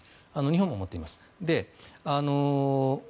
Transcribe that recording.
日本も持っています。